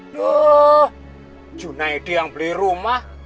loh junai dia yang beli rumah